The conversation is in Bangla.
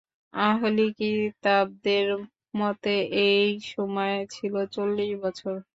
আহলি কিতাবদের মতে, এই সময় ছিল চল্লিশ বছর।